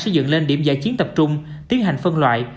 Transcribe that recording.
xây dựng lên điểm giải chiến tập trung tiến hành phân loại